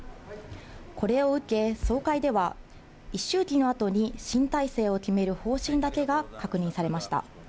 これを受け、総会では、一周忌のあとに新体制を決める方針だけが確認されました。